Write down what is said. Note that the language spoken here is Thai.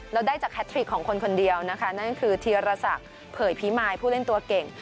แล้วได้จากแคทริกของคนคนเดียวนะคะนั่นคือธีรศักดิ์เผยพิมายผู้เล่นตัวเก่ง